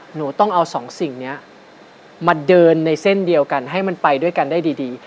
หนูต้องเอาสองสิ่งนี้มาเดินในเส้นเดียวกันให้มันไปด้วยกันได้ดี